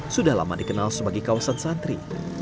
sudah lama dikenal sebagai kawasan santri